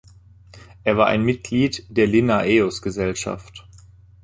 Er war ein Mitglied der Linnaeus-Gesellschaft.